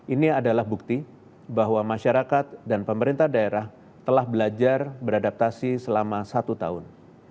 ini adalah bukti bahwa masyarakat dan pemerintah daerah telah belajar beradaptasi selama satu tahun